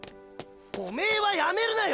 おめーはやめるなよ！